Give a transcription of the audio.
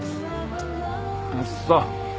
あっそう。